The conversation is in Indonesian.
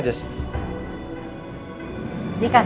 jangan lupa untuk berlangganan